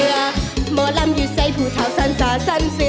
หมอล้ำอยู่ใส่ผู้เทาสรรสารสรรเสือ